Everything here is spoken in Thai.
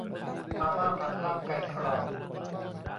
มาม่าผัดลาบไก่กรอบ